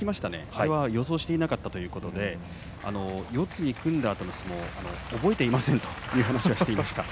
これは予想していなかったということで四つに組んだあとの相撲は覚えていませんという話をしていました。